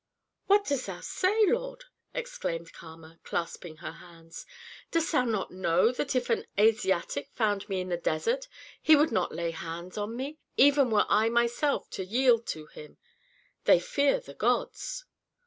"What dost thou say, lord?" exclaimed Kama, clasping her hands. "Dost thou not know that if an Asiatic found me in the desert he would not lay hands on me, even were I myself to yield to him? They fear the gods."